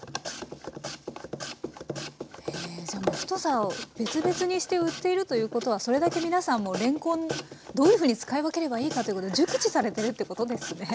太さを別々にして売っているということはそれだけ皆さんもれんこんどういうふうに使い分ければいいかということ熟知されてるってことですね。